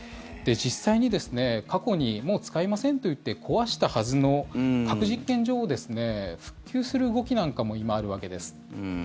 実際に、過去にもう使いませんと言って壊したはずの核実験場を復旧する動きなんかも今、あるわけです。